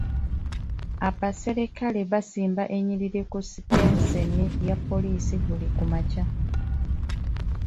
Abaserikale basimba ennyiriri ku sitenseni ya poliisi buli ku makya.